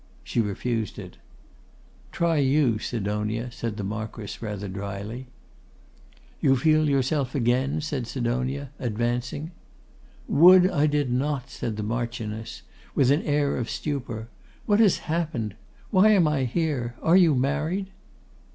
She refused it. 'Try you, Sidonia,' said the Marquess, rather dryly. 'You feel yourself again?' said Sidonia, advancing. 'Would I did not!' said the Marchioness, with an air of stupor. 'What has happened? Why am I here? Are you married?